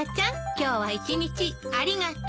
今日は一日ありがとう。